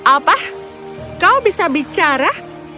apa kau bisa bicara